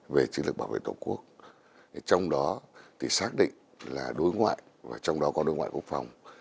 về chiến lược bảo vệ tổ quốc trong đó thì xác định là đối ngoại và trong đó có đối ngoại quốc phòng